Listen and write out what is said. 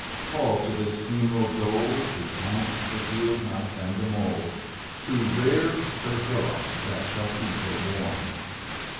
Call to this funeral dole The ant, the field mouse, and the mole To rear her hillocks that shall keep her warm.